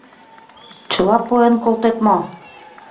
Чыла пуэн колтет мо?